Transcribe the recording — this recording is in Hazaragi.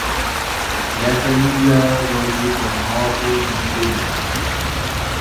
یئگ اللی یۂ رۉزی اۉماغ و دیقی